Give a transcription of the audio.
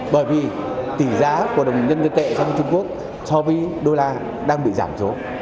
bởi vì tỷ giá của đồng nhân dân tệ trong trung quốc so với đô la đang bị giảm số